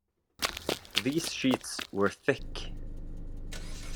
These sheets were thick.